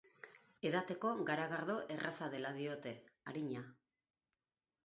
Edateko garagardo erraza dela diote, arina.